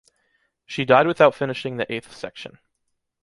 She died without finishing the eighth section.